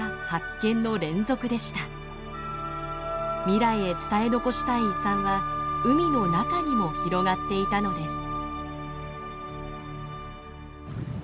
未来へ伝え残したい遺産は海の中にも広がっていたのです。